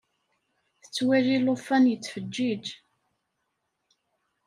Tettwali llufan yettfeǧiǧ.